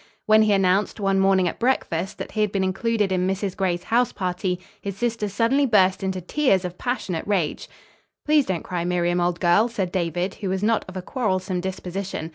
When he announced, one morning at breakfast, that he had been included in Mrs. Gray's house party, his sister suddenly burst into tears of passionate rage. "Please don't cry, Miriam, old girl," said David, who was not of a quarrelsome disposition.